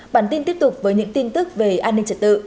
bản tin tiếp tục với những tin tức về an ninh trật tự